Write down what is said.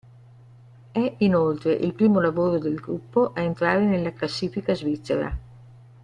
È inoltre il primo lavoro del gruppo a entrare nella classifica svizzera.